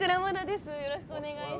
よろしくお願いします。